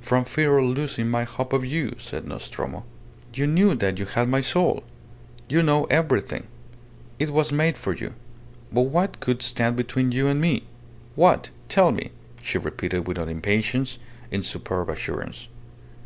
"From fear of losing my hope of you," said Nostromo. "You knew that you had my soul! You know everything! It was made for you! But what could stand between you and me? What? Tell me!" she repeated, without impatience, in superb assurance.